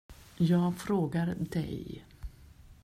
Jag frågar dig.